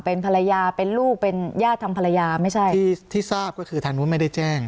เป็นภรรยาเป็นลูกเป็นญาติทางภรรยาไม่ใช่ที่ที่ทราบก็คือทางนู้นไม่ได้แจ้ง